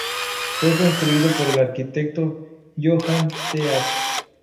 Fue construido por el arquitecto Johan Th.